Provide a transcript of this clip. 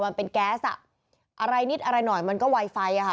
มันเป็นแก๊สอ่ะอะไรนิดอะไรหน่อยมันก็ไวไฟอ่ะค่ะ